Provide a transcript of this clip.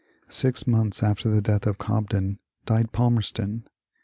Six months after the death of Cobden died Palmerston.